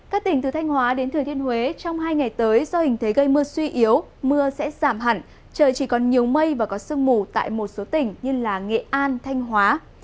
các tỉnh từ thanh hóa đến thừa thiên huế trong hai ngày tới do hình thế gây mưa suy yếu mưa sẽ giảm hẳn trời chỉ còn nhiều mây và có sương mù tại một số tỉnh như nghệ an thanh hóa